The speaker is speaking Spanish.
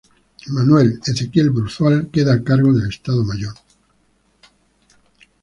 Manuel Ezequiel Bruzual queda a cargo del Estado Mayor.